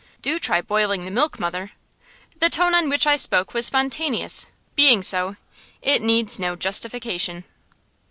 (Do try boiling the milk, mother.) The tone in which I spoke was spontaneous; being so, it needs no justification.